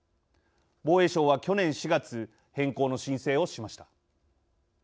防衛省は去年４月変更の申請をしました。